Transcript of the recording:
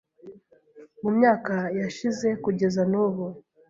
mu myaka yashize kugeza n’ubu.